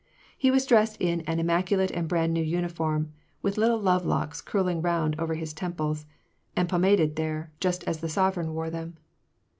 He was dressed in an immaculate and brand new uniform, with little love locks curl ing round over his temples, and pomaded there, just as the sovereicrn wore them.